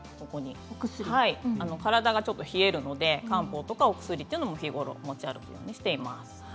体がちょっと冷えるので漢方とかお薬も日頃持ち歩くようにしています。